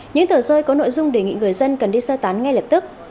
những tờ rơi có nội dung đề nghị người dân cần đi sơ tán ngay lập tức